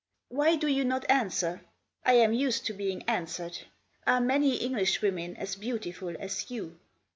" Why do you not answer ? I am used to being answered. Are many Englishwomen as beautiful as you